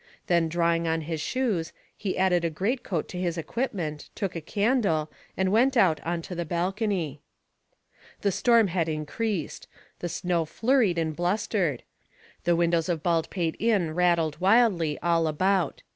Then drawing on his shoes, he added a greatcoat to his equipment, took a candle, and went out on to the balcony. The storm had increased; the snow flurried and blustered; the windows of Baldpate Inn rattled wildly all about.